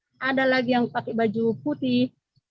dan ada lagi yang pakai baju putih